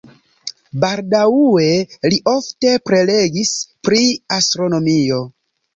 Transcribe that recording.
Baldaŭe li ofte prelegis pri astronomio.